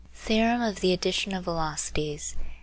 THEOREM OF THE ADDITION OF VELOCITIES.